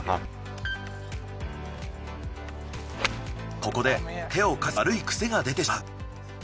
ここで手を返す悪い癖が出てしまう。